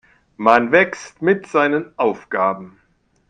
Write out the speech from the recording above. Man wächst mit seinen Aufgaben.